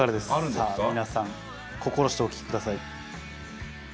さあ皆さん心してお聞きください。